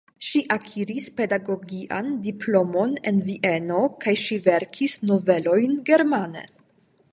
Ŝi akiris pedagogian diplomon en Vieno kaj ŝi verkis novelojn germane.